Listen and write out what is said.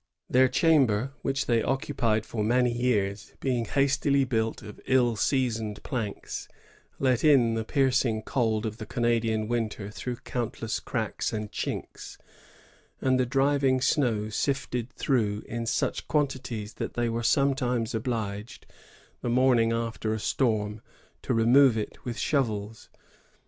^ Their chamber, which they occupied for many years, being hastily built of ill seasoned planks, let in the piercing cold of the Canadian winter through countless cracks and chinks; and the driving snow sifted through in such quantities that they were sometimes obliged, the morning after a storm, to remove it with shovels.